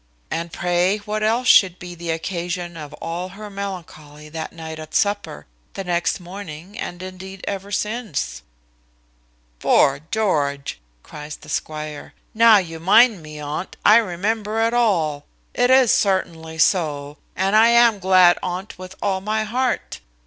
And pray what else should be the occasion of all her melancholy that night at supper, the next morning, and indeed ever since?" "'Fore George!" cries the squire, "now you mind me on't, I remember it all. It is certainly so, and I am glad on't with all my heart.